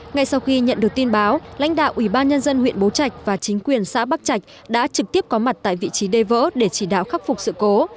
ngay sau khi nhận được tin báo lãnh đạo ủy ban nhân dân huyện bố trạch và chính quyền xã bắc trạch đã trực tiếp có mặt tại vị trí đê vỡ để chỉ đạo khắc phục sự cố